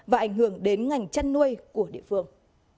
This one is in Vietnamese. và ảnh hưởng đến ngành chăn nuôi của địa phương